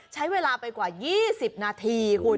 ใช้เวลาไปกว่า๒๐นาทีคุณ